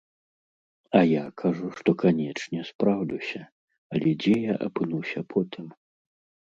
А я кажу, што, канечне, спраўлюся, але дзе я апынуся потым?